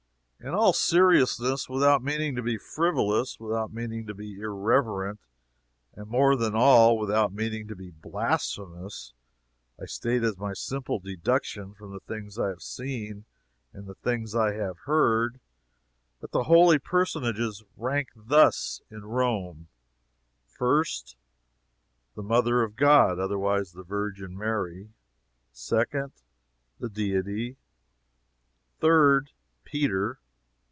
In all seriousness without meaning to be frivolous without meaning to be irreverent, and more than all, without meaning to be blasphemous, I state as my simple deduction from the things I have seen and the things I have heard, that the Holy Personages rank thus in Rome: First "The Mother of God" otherwise the Virgin Mary. Second The Deity. Third Peter.